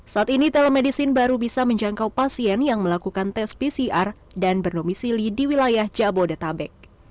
saat ini telemedicine baru bisa menjangkau pasien yang melakukan tes pcr dan bernomisili di wilayah jabodetabek